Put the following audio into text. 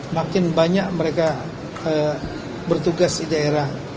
makin banyak mereka bertugas di daerah